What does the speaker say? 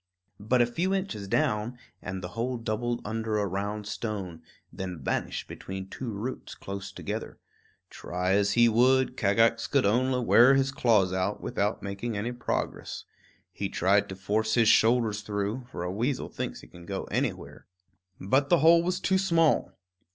But a few inches down, and the hole doubled under a round stone, then vanished between two roots close together. Try as he would, Kagax could only wear his claws out, without making any progress. He tried to force his shoulders through; for a weasel thinks he can go anywhere. But the hole was too small.